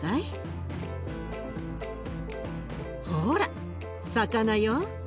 ほら魚よ。